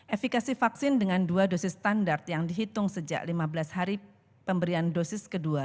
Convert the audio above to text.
efekasi vaksin dengan dua dosis standar yang dihitung sejak lima belas hari pemberian dosis kedua